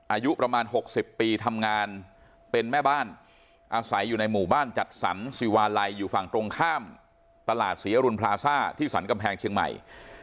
อายุประมาณ๖๐ปีทำงานเป็นแม่บ้านอาศัยอยู่ในหมู่บ้านจัดสรรสิวาลัยอยู่ฝั่งตรงข้ามตลาดศรีอรุณพลาซ่าที่สรรกำแพงเชียงใหม่